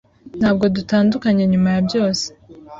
Ntabwo dutandukanye nyuma ya byose.